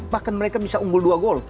bahkan mereka bisa unggul dua gol